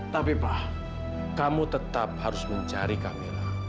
tapi pa kamu tetap harus mencari kamila